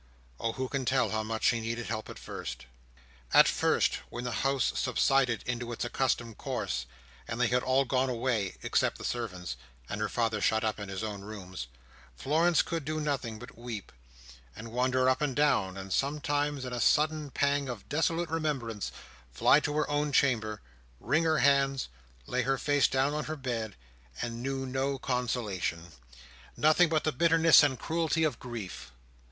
Oh, who can tell how much she needed help at first! At first, when the house subsided into its accustomed course, and they had all gone away, except the servants, and her father shut up in his own rooms, Florence could do nothing but weep, and wander up and down, and sometimes, in a sudden pang of desolate remembrance, fly to her own chamber, wring her hands, lay her face down on her bed, and know no consolation: nothing but the bitterness and cruelty of grief.